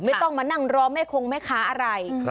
ไม่ต้องมานั่งรอแม่คงแม่ค้าอะไร